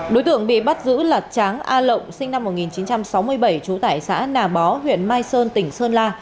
đối tượng bị bắt giữ là tráng a lộng sinh năm một nghìn chín trăm sáu mươi bảy trú tại xã nà bó huyện mai sơn tỉnh sơn la